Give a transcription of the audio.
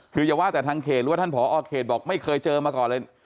คืออย่าว่าแต่ทางเขตถ้าคุณพอเขตคือบอกว่าไม่เคยเจอมาก่อนเลย